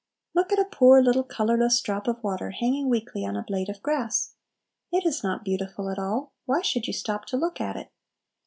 Look at a poor little colorless drop of water, hanging weakly on a blade of grass. It is not beautiful at all; why should you stop to look at it?